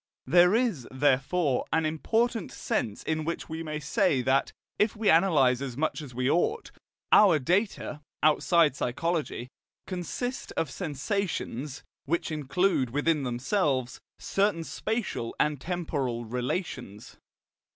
There is, therefore, an important sense in which we may say that, if we analyse as much as we ought, our data, outside psychology, consist of sensations, which include within themselves certain spatial and temporal relations.